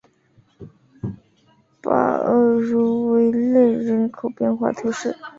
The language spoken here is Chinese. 巴尔茹维勒人口变化图示